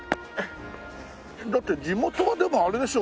だって地元はでもあれでしょ？